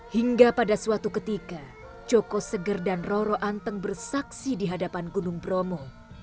hingga pada suatu ketika joko seger dan roro anteng bersaksi di hadapan gunung bromo